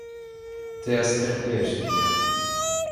Ты оскорбляешь меня.